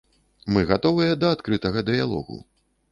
Мы гатовыя да адкрытага дыялогу.